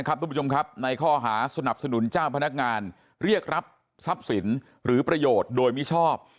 คุณผู้ชมครับในข้อหาสนับสนุนเจ้าพนักงานเรียกรับทรัพย์สินหรือประโยชน์โดยมิชอบ